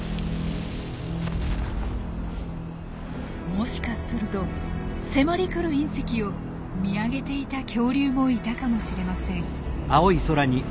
もしかすると迫り来る隕石を見上げていた恐竜もいたかもしれません。